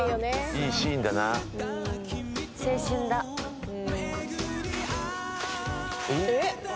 いいシーンだな青春だえっ？